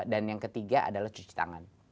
dan yang ketiga adalah cuci tangan